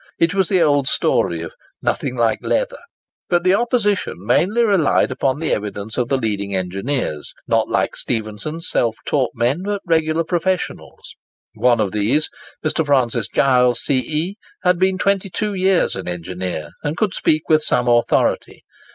It was the old story of "nothing like leather." But the opposition mainly relied upon the evidence of the leading engineers—not like Stephenson, self taught men, but regular professionals. One of these, Mr. Francis Giles, C.E., had been twenty two years an engineer, and could speak with some authority.